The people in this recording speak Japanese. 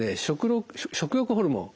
食欲ホルモン